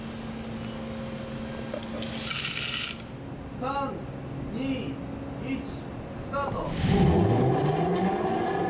３２１スタート！